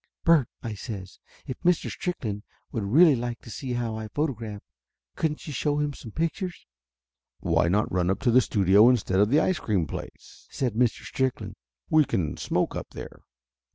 "Bert," I says, "if Mr. Strickland would really like to see how I photograph couldn't you show him some pictures?" "Why not run up to the studio instead of the ice cream place?" said Mr. Strickland. "We can smoke up there."